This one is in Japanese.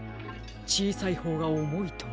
ちいさいほうがおもいとは。